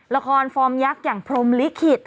ละครฟอร์มยักษ์อย่างพรมลิขิต